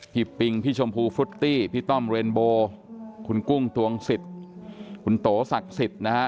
ปิงพี่ชมพูฟุตตี้พี่ต้อมเรนโบคุณกุ้งทวงสิทธิ์คุณโตศักดิ์สิทธิ์นะฮะ